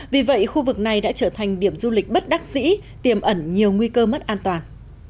vì vậy khu vực này đã trở thành điểm du lịch bất đắc dĩ tiềm ẩn nhiều nguy cơ mất an toàn